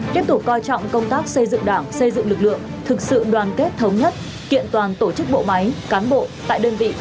tiếp tục coi trọng công tác xây dựng đảng xây dựng lực lượng thực sự đoàn kết thống nhất kiện toàn tổ chức bộ máy cán bộ tại đơn vị